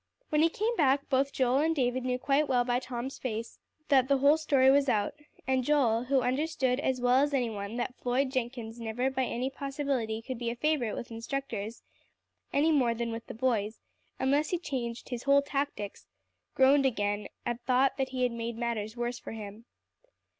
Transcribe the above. When he came back, both Joel and David knew quite well by Tom's face, that the whole story was out; and Joel, who understood as well as any one that Floyd Jenkins never by any possibility could be a favorite with instructors, any more than with the boys, unless he changed his whole tactics, groaned again at thought that he had made matters worse for him.